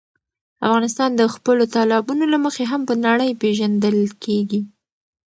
افغانستان د خپلو تالابونو له مخې هم په نړۍ پېژندل کېږي.